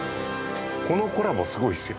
このコラボすごいですよ。